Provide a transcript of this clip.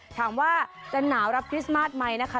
ถามว่าจะหนาวรับคริสต์มาสไหมนะคะ